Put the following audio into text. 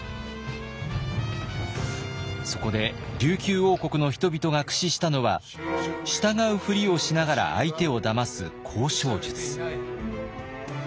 そこで琉球王国の人々が駆使したのは従うふりをしながら相手をだます交渉術。